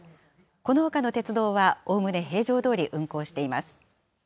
このほかの鉄道はおおむね平常どおり運行しています。